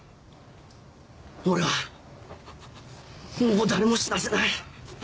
俺はもう誰も死なせない。